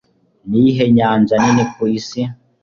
Niyihe nyanja nini ku isi?